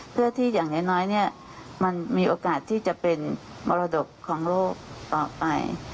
เพื่อที่อย่างน้อยเนี่ยมันมีโอกาสที่จะเป็นมรดกของโลกต่อไป